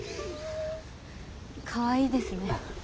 かわいいですね。